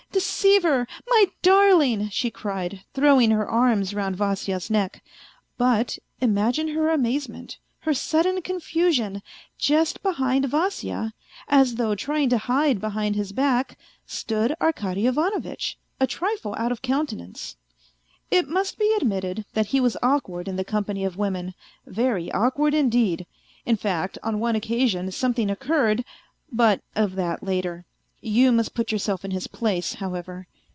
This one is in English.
" Deceiver! My darling! " she cried, throwing her arms round Vasya's neck. But imagine her amazement, her sudden con fusion : just behind Vasya, as though trying to hide behind his back, stood Arkady Ivanovitch, a trifle out of countenance. It must be admitted that he was awkward in the company of women, very awkward indeed, in fact on one occasion something occurred ... but of that later. You must put yourself in his place, however.